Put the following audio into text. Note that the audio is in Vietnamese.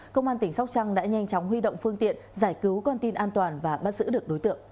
công an tỉnh sóc trăng đã nhanh chóng huy động phương tiện giải cứu con tin an toàn và bắt giữ được đối tượng